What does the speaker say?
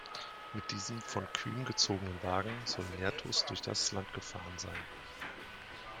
Mit diesem von Kühen gezogenen Wagen soll Nerthus durch das Land gefahren sein.